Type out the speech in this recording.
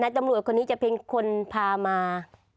ตำรวจคนนี้จะเป็นคนพามา